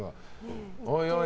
おいおい！